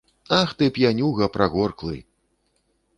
Ах ты, п'янюга прагорклы!